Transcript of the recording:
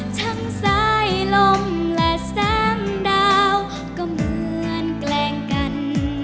ทั้งสายลมและแสงดาวก็เหมือนแกล้งกัน